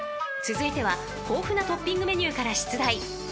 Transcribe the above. ［続いては豊富なトッピングメニューから出題］